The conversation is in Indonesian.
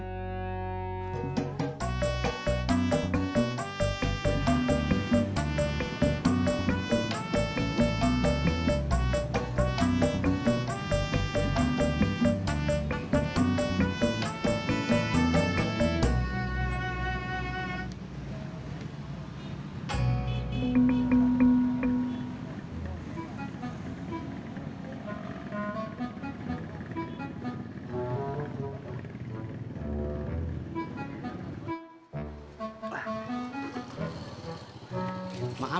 tidak ada yang kaget